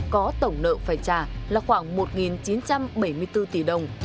có tổng nợ phải trả là khoảng một chín trăm bảy mươi triệu đồng